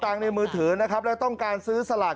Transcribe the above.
๘๐บาททุ่นเลยนะครับ